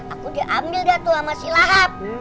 aku diambil dia tuh sama si lahap